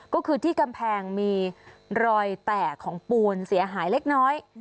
ก็คือที่กำแพงมีรอยแตกของปูนเสียหายเล็กน้อย